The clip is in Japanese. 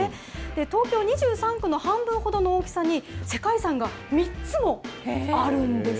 東京２３区の半分ほどの大きさに、世界遺産が３つもあるんです。